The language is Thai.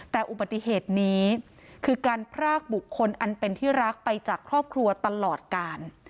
แต่อุบัติเหตุนี้คือการพรากบุคคลอันเป็นที่รักไปจากครอบครัวตลอดกาล